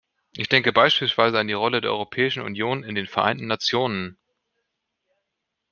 Ich denke beispielsweise an die Rolle der Europäischen Union in den Vereinten Nationen.